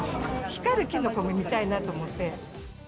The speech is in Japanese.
光るキノコ見たいなと思って。